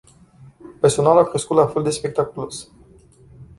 Personalul a crescut la fel de spectaculos.